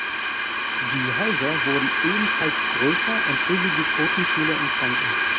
Die Häuser wurden ebenfalls größer und riesige Totempfähle entstanden.